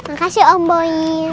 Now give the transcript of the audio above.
makasih om boim